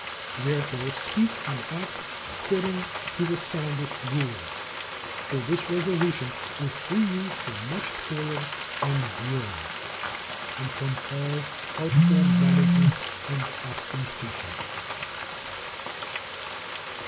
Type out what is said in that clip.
Therefore speak and act according to the soundest rule; for this resolution will free you from much toil and warring, and from all artful management and ostentation.